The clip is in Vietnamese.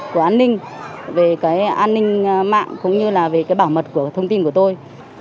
cũng như là về bảo mật thông tin của tôi